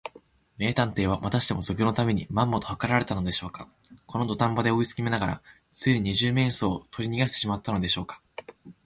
名探偵は、またしても賊のためにまんまとはかられたのでしょうか。このどたん場まで追いつめながら、ついに二十面相をとりにがしてしまったのでしょうか。